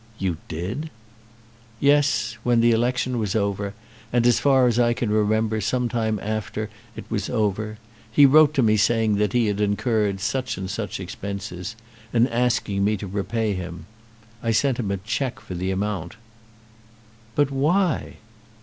"You did!" "Yes, when the election was over, and, as far as I can remember, some time after it was over. He wrote to me saying that he had incurred such and such expenses, and asking me to repay him. I sent him a cheque for the amount." "But why?"